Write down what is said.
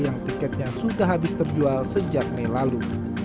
yang tiketnya sudah habis terjual sejak mei lalu